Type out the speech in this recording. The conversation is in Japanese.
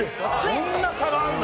えっそんな差があるんだ！